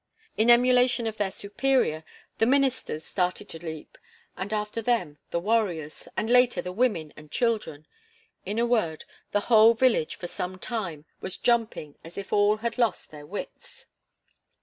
In emulation of their superior "the ministers" started to leap, and after them the warriors, and later the women and children; in a word, the whole village for some time was jumping as if all had lost their wits.